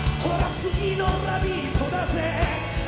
次の「ラヴィット！」